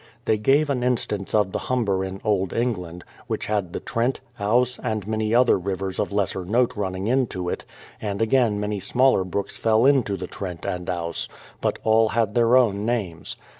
They gave an instance of the Humber in old England, which had the Trent, Ouse, and many other rivers of lesser note running into it; and again many smaller brooks fell into the Trent and Ouse; but all had their own names.